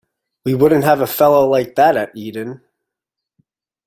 We wouldn't have a fellow like that at Eton.